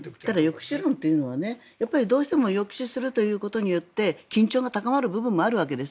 抑止力というのはどうしても抑止するということによって緊張が高まる部分もあるわけです。